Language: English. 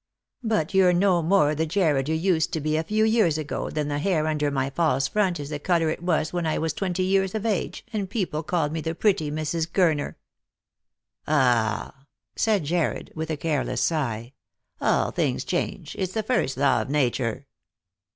But you're no more the Jarred you used to be a few years ago than the hair under my false front is the colour it was when I was twenty years of age, and people called me the pretty Mrs. Gurner." Lost for Love. 265 " Ah," said Jarred, with a careless sigh, " all things change It's the first law of Nature.